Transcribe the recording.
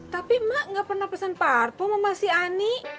tapi emak gak pernah pesan parfum sama si ani